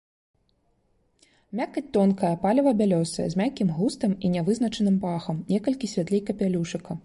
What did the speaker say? Мякаць тонкая, палева-бялёсая, з мяккім густам і нявызначаным пахам, некалькі святлей капялюшыка.